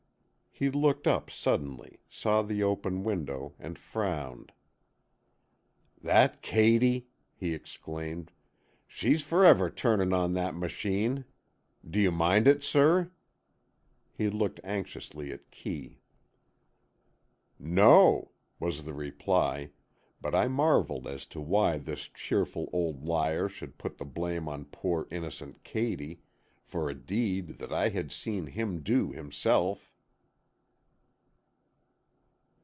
He looked up suddenly, saw the open window and frowned. "That Katy!" he exclaimed. "She's forever turnin' on that machine! Do you mind it, sir?" He looked anxiously at Kee. "No," was the reply, but I marvelled as to why this cheerful old liar should put the blame on poor, innocent Katy, for a deed that I had seen him do himself.